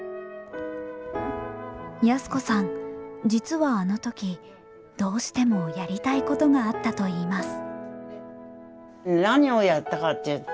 安子さん実はあの時どうしてもやりたいことがあったといいます。